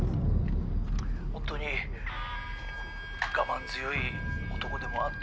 ほんとに我慢強い男でもあった